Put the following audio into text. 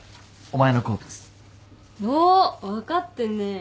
お分かってんねえ。